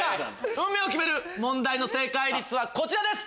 運命を決める問題の正解率はこちらです！